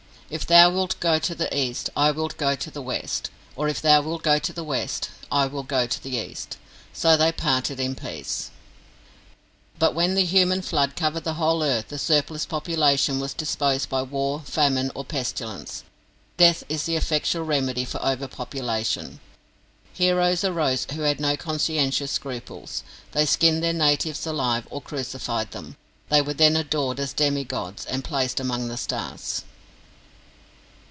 If thou wilt go to the east, I will go to the west; or if thou wilt go to the west, I will go to the east." So they parted in peace. But when the human flood covered the whole earth, the surplus population was disposed of by war, famine, or pestilence. Death is the effectual remedy for over population. Heroes arose who had no conscientious scruples. They skinned their natives alive, or crucified them. They were then adored as demi gods, and placed among the stars.